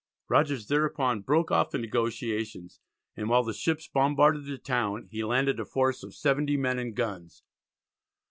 Rogers thereupon broke off the negotiations and while the ships bombarded the town he landed a force of 70 men and guns.